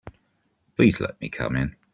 Please let me come in.